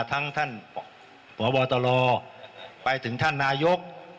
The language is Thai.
ทั้งท่านพบตรไปถึงท่านนายก